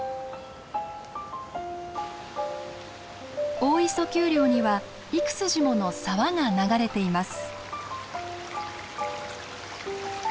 大磯丘陵には幾筋もの沢が流れています。